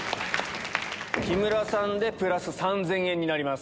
木村さんでプラス３０００円になります。